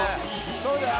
そうだよ。